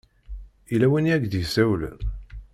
Yella win i ak-d-isawlen?